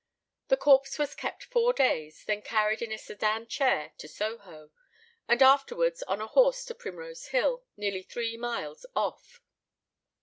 The corpse was kept four days, then carried in a sedan chair to Soho, and afterwards on a horse to Primrose Hill, nearly three miles off.